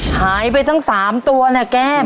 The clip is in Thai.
หายไปตั้งสามตัวนะแก้ม